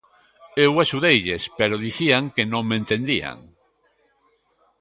Eu axudeilles pero dicían que non me entendían.